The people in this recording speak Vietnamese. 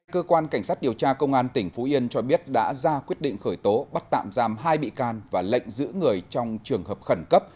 cơ quan cảnh sát điều tra công an tỉnh phú yên cho biết đã ra quyết định khởi tố bắt tạm giam hai bị can và lệnh giữ người trong trường hợp khẩn cấp